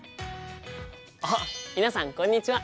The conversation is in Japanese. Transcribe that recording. あっ皆さんこんにちは！